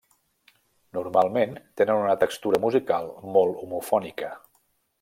Normalment tenen una textura musical molt homofònica.